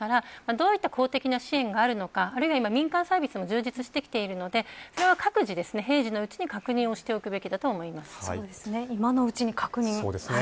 どういった公的な支援があるのか民間サービスも充実してきているのでそれを各自、平時のうちに確認を今のうちに確認ですね。